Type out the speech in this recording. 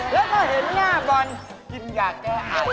และถ้าเห็นหน้าบอลกินยาแก้อ้าย